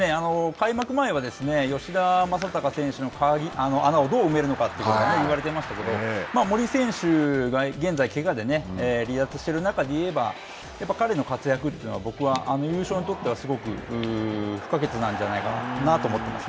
開幕前は吉田正尚選手の穴をどう埋めるかということを言われてましたけど、森選手が現在、けがで離脱している中でいえば彼の活躍というのは僕は、優勝のときからすごく不可欠なんじゃないかなと思ってます